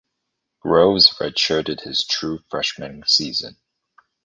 Groves redshirted his true freshman season.